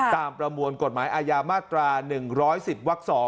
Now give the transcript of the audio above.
ประมวลกฎหมายอาญามาตรา๑๑๐วัก๒